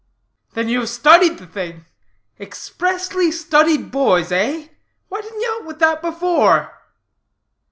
"Then you have studied the thing? expressly studied boys, eh? Why didn't you out with that before?"